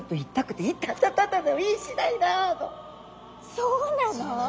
そうなの？